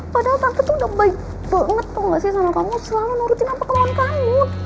padahal tante tuh udah baik banget tau gak sih sana kamu selalu nurutin apa kemauan kamu